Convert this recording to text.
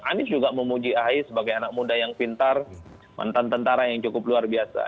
anies juga memuji ahy sebagai anak muda yang pintar mantan tentara yang cukup luar biasa